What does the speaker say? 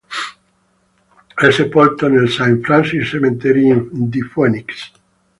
È sepolto nel Saint Francis Cemetery di Phoenix.